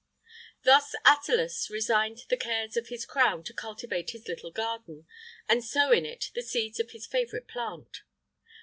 Thus Attalus resigned the cares of his crown to cultivate his little garden, and sow in it the seeds of his favourite plant.